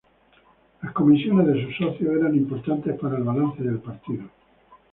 Las comisiones de sus socios eran importantes para el balance del partido.